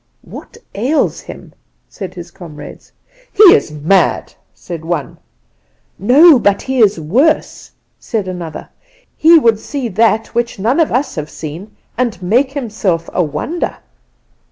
"'What ails him?' said his comrades. "'He is mad,' said one. "'No; but he is worse,' said another; 'he would see that which none of us have seen, and make himself a wonder.